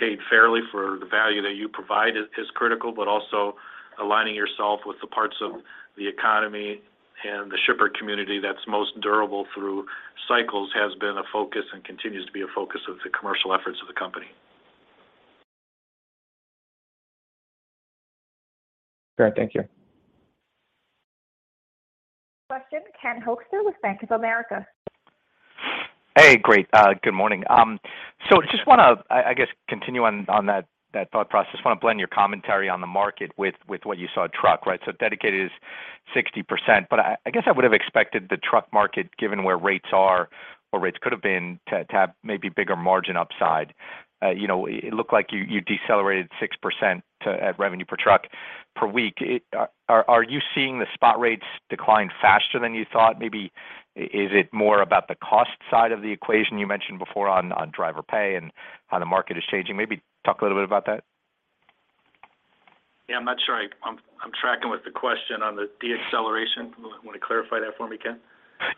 paid fairly for the value that you provide is critical, but also aligning yourself with the parts of the economy and the shipper community that's most durable through cycles has been a focus and continues to be a focus of the commercial efforts of the company. Great. Thank you. Question, Ken Hoexter with Bank of America. Great. Good morning. Just wanna, I guess, continue on that thought process. Just wanna blend your commentary on the market with what you saw truck, right? Dedicated is 60%, but I guess I would have expected the truck market, given where rates are or rates could have been, to have maybe bigger margin upside. You know, it looked like you decelerated 6% at revenue per truck per week. Are you seeing the spot rates decline faster than you thought? Maybe is it more about the cost side of the equation you mentioned before on driver pay and how the market is changing? Maybe talk a little bit about that. I'm not sure I'm tracking with the question on the deceleration. Wanna clarify that for me, Ken?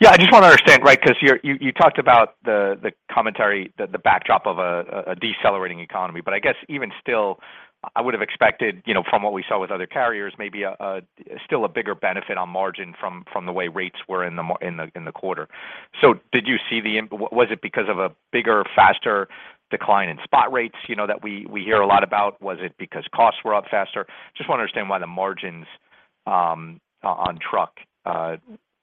I just wanna understand, right, 'cause you talked about the commentary, the backdrop of a decelerating economy. I guess even still, I would have expected, you know, from what we saw with other carriers, maybe still a bigger benefit on margin from the way rates were in the quarter. Was it because of a bigger, faster decline in spot rates, you know, that we hear a lot about? Was it because costs were up faster? Just wanna understand why the margins on truck,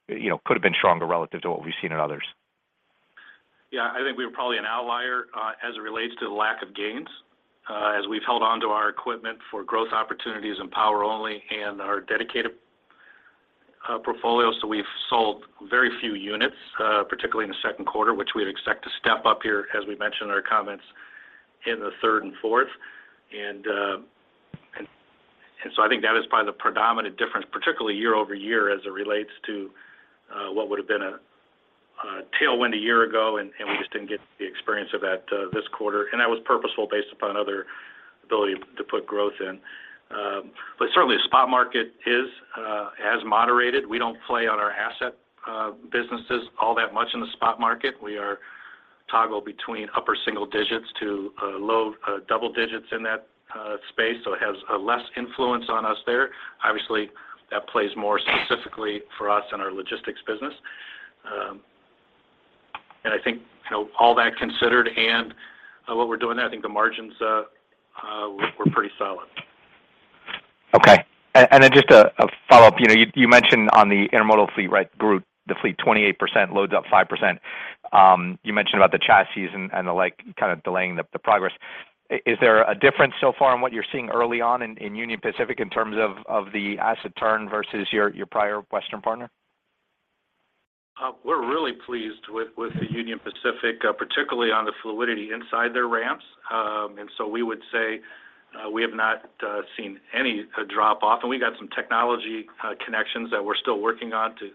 you know, could have been stronger relative to what we've seen in others. I think we were probably an outlier as it relates to the lack of gains as we've held onto our equipment for growth opportunities and Power Only and our dedicated portfolio. We've sold very few units particularly in the second quarter, which we'd expect to step up here, as we mentioned in our comments in the third and fourth. I think that is probably the predominant difference, particularly year-over-year as it relates to what would have been a tailwind a year ago, and we just didn't get the experience of that this quarter. That was purposeful based upon our ability to put growth in. But certainly the spot market has moderated. We don't play in our asset businesses all that much in the spot market. We are toggling between upper single digits to low double digits in that space, so it has a less influence on us there. Obviously, that plays more specifically for us in our logistics business. I think, you know, all that considered and what we're doing there, I think the margins were pretty solid. Okay. Just a follow-up. You mentioned on the intermodal fleet, right, grew the fleet 28%, loads up 5%. You mentioned about the chassis and the like, kind of delaying the progress. Is there a difference so far in what you're seeing early on in Union Pacific in terms of the asset turn versus your prior western partner? We're really pleased with the Union Pacific, particularly on the fluidity inside their ramps. We would say we have not seen any drop off. We got some technology connections that we're still working on to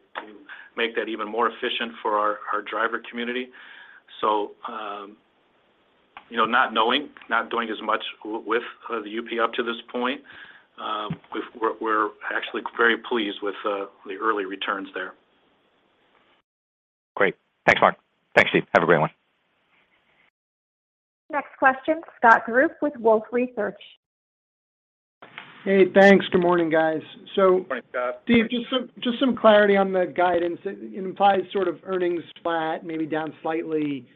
make that even more efficient for our driver community. You know, not knowing, not doing as much with the UP up to this point, we're actually very pleased with the early returns there. Great. Thanks, Mark. Thanks, Steve. Have a great one. Next question, Scott Group with Wolfe Research. Thanks. Good morning, guys. Good morning, Scott. Steve, just some clarity on the guidance. It implies sort of earnings flat, maybe down slightly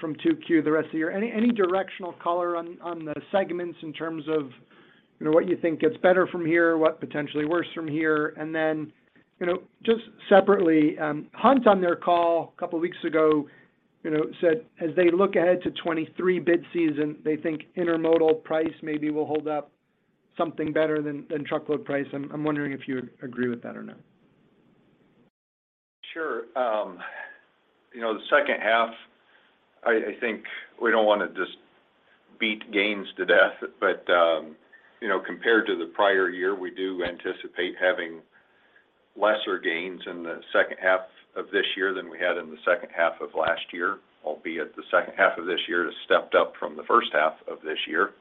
from 2Q the rest of the year. Any directional color on the segments in terms of, you know, what you think gets better from here, what potentially worse from here? Then, you know, just separately, J.B. Hunt on their call a couple weeks ago, you know, said as they look ahead to 2023 bid season, they think intermodal price maybe will hold up something better than truckload price. I'm wondering if you agree with that or not. Sure. You know, the second half, I think we don't wanna just beat gains to death. You know, compared to the prior year, we do anticipate having lesser gains in the second half of this year than we had in the second half of last year. Albeit the second half of this year has stepped up from the first half of this year.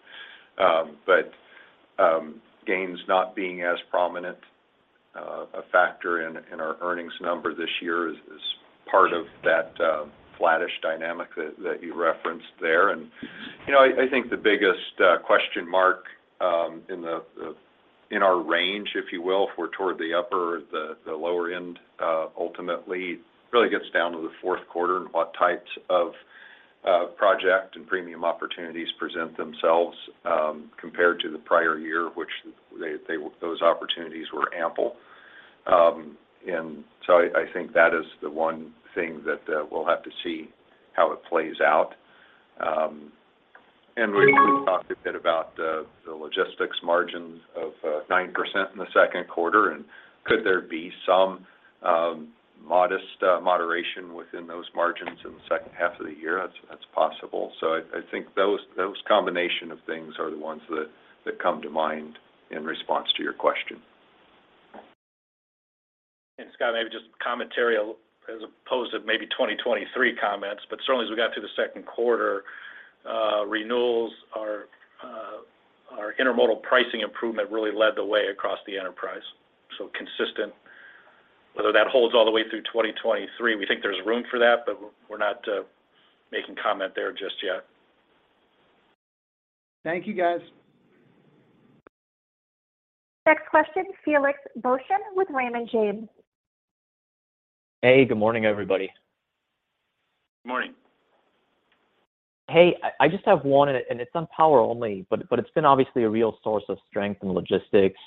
Gains not being as prominent, a factor in our earnings number this year is part of that flattish dynamic that you referenced there. You know, I think the biggest question mark in our range, if you will, if we're toward the upper or the lower end, ultimately really gets down to the fourth quarter and what types of project and premium opportunities present themselves, compared to the prior year, which those opportunities were ample. I think that is the one thing that we'll have to see how it plays out. We talked a bit about the logistics margins of 9% in the second quarter, and could there be some modest moderation within those margins in the second half of the year? That's possible. I think those combination of things are the ones that come to mind in response to your question. Scott, maybe just commentary as opposed to maybe 2023 comments, but certainly as we got through the second quarter, renewals, our intermodal pricing improvement really led the way across the enterprise. Consistent. Whether that holds all the way through 2023, we think there's room for that, but we're not making comment there just yet. Thank you, guys. Next question, Felix Boeschen with Raymond James. Good morning, everybody. Good morning. I just have one and it's on Power Only, but it's been obviously a real source of strength in logistics.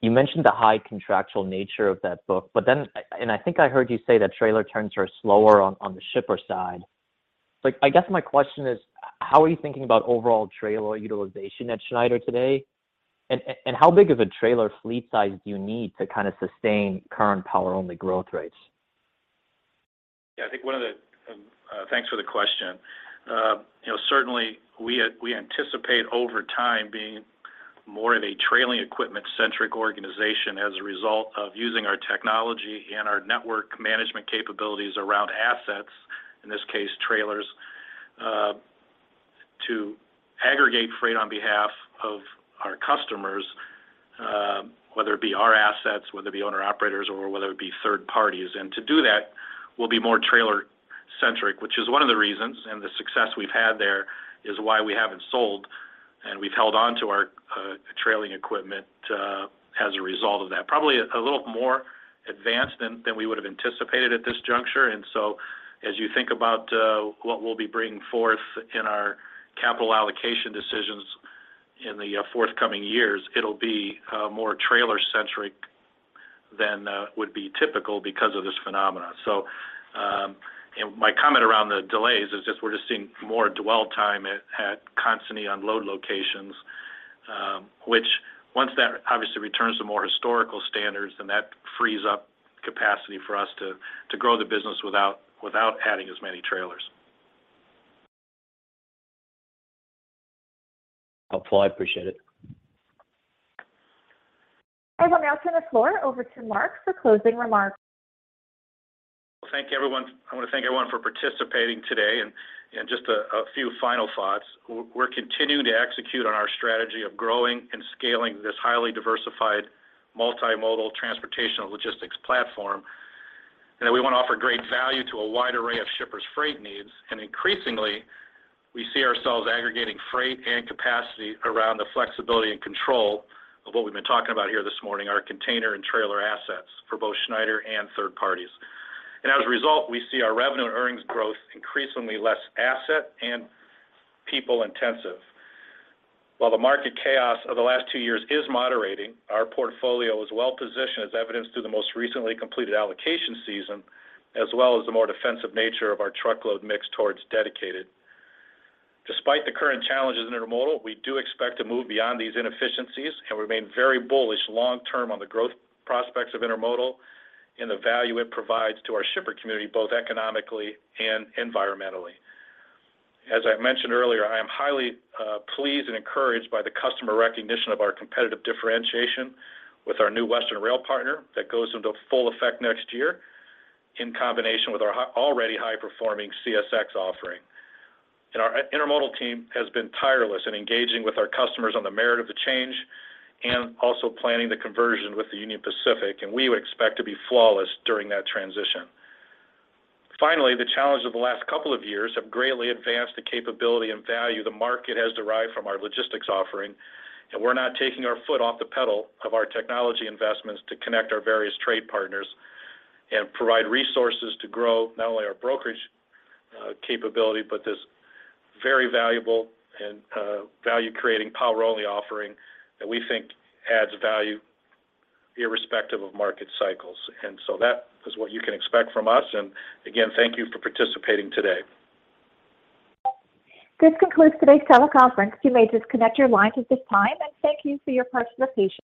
You mentioned the high contractual nature of that book, but then, I think I heard you say that trailer turns are slower on the shipper side. Like, I guess my question is, how are you thinking about overall trailer utilization at Schneider today? How big of a trailer fleet size do you need to kinda sustain current Power Only growth rates? Thanks for the question. You know, certainly we anticipate over time being more of a trailing equipment-centric organization as a result of using our technology and our network management capabilities around assets, in this case, trailers to aggregate freight on behalf of our customers, whether it be our assets, whether it be owner-operators, or whether it be third parties. To do that will be more trailer-centric, which is one of the reasons, and the success we've had there is why we haven't sold, and we've held on to our trailing equipment as a result of that. Probably a little more advanced than we would have anticipated at this juncture. As you think about what we'll be bringing forth in our capital allocation decisions in the forthcoming years, it'll be more trailer-centric than would be typical because of this phenomenon. My comment around the delays is just we're seeing more dwell time at constantly on load locations, which once that obviously returns to more historical standards, then that frees up capacity for us to grow the business without adding as many trailers. Helpful. I appreciate it. I will now turn the floor over to Mark for closing remarks. Thank you, everyone. I want to thank everyone for participating today. Just a few final thoughts. We're continuing to execute on our strategy of growing and scaling this highly diversified multimodal transportation logistics platform. We want to offer great value to a wide array of shippers' freight needs. Increasingly, we see ourselves aggregating freight and capacity around the flexibility and control of what we've been talking about here this morning, our container and trailer assets for both Schneider and third parties. As a result, we see our revenue and earnings growth increasingly less asset and people-intensive. While the market chaos of the last two years is moderating, our portfolio is well-positioned, as evidenced through the most recently completed allocation season, as well as the more defensive nature of our truckload mix towards dedicated. Despite the current challenges in intermodal, we do expect to move beyond these inefficiencies and remain very bullish long term on the growth prospects of intermodal and the value it provides to our shipper community, both economically and environmentally. As I mentioned earlier, I am highly pleased and encouraged by the customer recognition of our competitive differentiation with our new Western Rail partner that goes into full effect next year, in combination with our already high-performing CSX offering. Our intermodal team has been tireless in engaging with our customers on the merit of the change and also planning the conversion with the Union Pacific, and we would expect to be flawless during that transition. Finally, the challenges of the last couple of years have greatly advanced the capability and value the market has derived from our logistics offering. We're not taking our foot off the pedal of our technology investments to connect our various trade partners and provide resources to grow not only our brokerage capability, but this very valuable and value-creating Power-Only offering that we think adds value irrespective of market cycles. That is what you can expect from us. Again, thank you for participating today. This concludes today's teleconference. You may disconnect your lines at this time, and thank you for your participation.